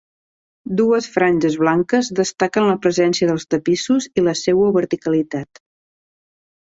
Dues franges blanques destaquen la presència dels tapissos i la seua verticalitat.